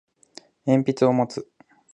鉛筆を持つ